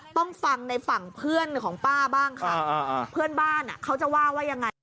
ต้องฟังในฝั่งเพื่อนของป้าบ้างค่ะเพื่อนบ้านเขาจะว่าว่ายังไง